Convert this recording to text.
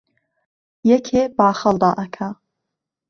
یەکێ باخەڵ دائەکا